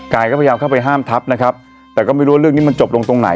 กายก็พยายามเข้าไปห้ามทับนะครับแต่ก็ไม่รู้ว่าเรื่องนี้มันจบลงตรงไหน